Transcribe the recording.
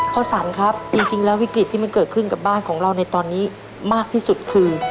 สรรครับจริงแล้ววิกฤตที่มันเกิดขึ้นกับบ้านของเราในตอนนี้มากที่สุดคือ